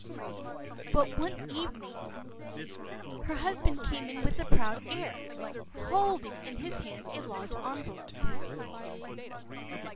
p><INT>But one evening her husband came in with a proud air, holding in his hand a large envelope.